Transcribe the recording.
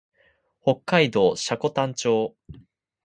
北海道積丹町